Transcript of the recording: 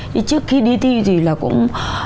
thì trước khi đi thi thì là cũng